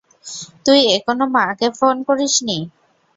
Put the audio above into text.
তুই এখনও মাকে ফোন করিসনি।